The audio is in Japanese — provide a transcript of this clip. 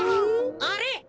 あれ？